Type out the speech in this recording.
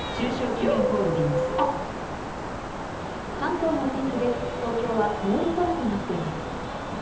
東京は曇り空となっています。